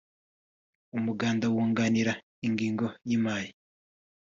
umuganda wunganira ingengo y’imari